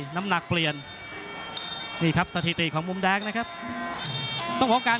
น้ำเงินเค้ายังมองมากกว่าครับ